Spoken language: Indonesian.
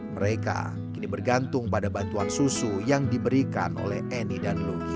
mereka kini bergantung pada bantuan susu yang diberikan oleh eni dan luki